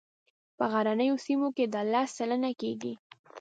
په غرنیو سیمو کې دا لس سلنه کیږي